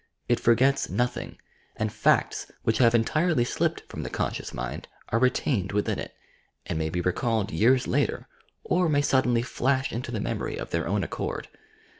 It forgets nothing, and facts which have entirety slipped from the conscious mind are retained within it, and may be recalled years later, or may suddenly flash into the memory of their own accord.